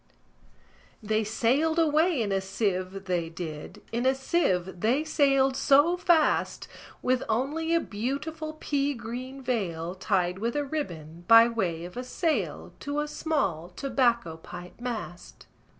II. They sailed away in a sieve, they did, In a sieve they sailed so fast, With only a beautiful pea green veil Tied with a ribbon, by way of a sail, To a small tobacco pipe mast.